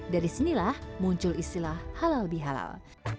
dari sinilah muncul istilah halal bihalal